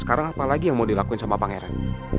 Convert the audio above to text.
sekarang apalagi yang mau dilakuin sama pangeran